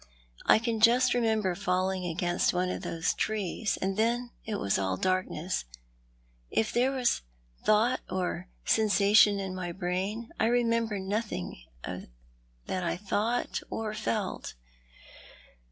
I can just remember falling against one of those trees, and then all was darkness. If there was thought or sensation in my brain, I remember nothing that I thought or felt."